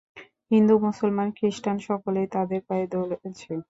হিন্দু, মুসলমান, খ্রীষ্টান সকলেই তাদের পায়ে দলেছে।